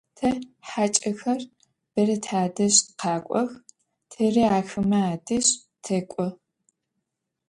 Te haç'exer bere tadej khek'ox, teri axeme adej tek'o.